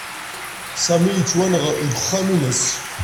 Sami yettwenɣ deg uxxam-nnes.